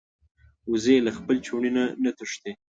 وزې له خپل چوڼي نه نه تښتي